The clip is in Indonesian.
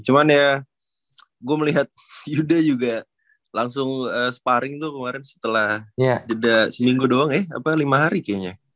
cuman ya gue melihat yuda juga langsung sparring tuh kemarin setelah jeda seminggu doang ya apa lima hari kayaknya